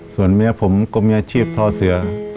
ส่วนเมียผมก็มีอาชีพทอเสือ